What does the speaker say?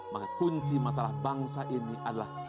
maka kunci masalah bangsa ini adalah